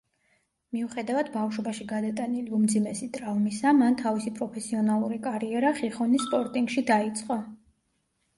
მიუხედავად ბავშვობაში გადატანილი უმძიმესი ტრავმისა, მან თავისი პროფესიონალური კარიერა ხიხონის „სპორტინგში“ დაიწყო.